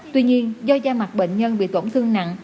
tuy nhiên do da mặt bệnh nhân bị tổn thương nặng